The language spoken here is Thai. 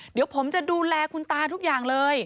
เดี๋ยวผมจะดูแลคุณตาทุกอย่างเลย